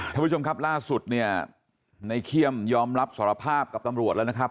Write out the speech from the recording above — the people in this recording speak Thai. ท่านผู้ชมครับล่าสุดเนี่ยในเขี้ยมยอมรับสารภาพกับตำรวจแล้วนะครับ